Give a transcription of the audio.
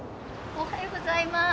おはようございます！